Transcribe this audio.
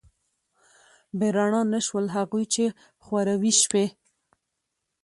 بې رڼا نه شول، هغوی چې خوروي شپې